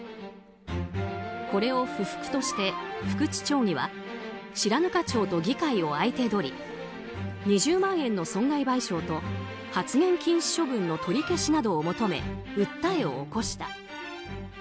これを不服として福地議員は白糠町と議会を相手取り２０万円の損害賠償と発言禁止処分の取り消しなどを求め訴えを起こした。